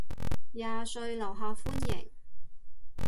廿歲樓下歡迎